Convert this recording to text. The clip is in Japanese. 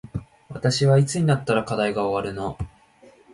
私はいつになったら課題が終わるの